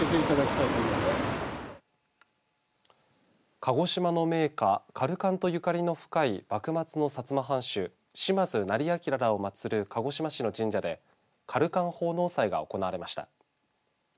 鹿児島の銘菓、かるかんと縁の深い幕末の薩摩藩主島津斉彬らを祭る鹿児島市の神社でかるかん奉納祭が行われました。